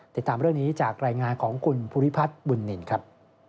ติดตามเรื่องนี้จากรายงานของคุณภูริพัฒน์บุญนินครับ